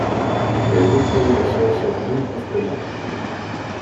They will prove a source of limitless delight.